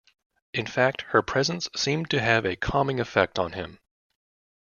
In fact, her presence seemed to have a calming effect on him.